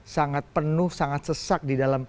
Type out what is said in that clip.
sangat penuh sangat sesak